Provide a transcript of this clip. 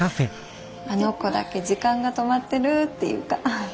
あの子だけ時間が止まってるっていうか。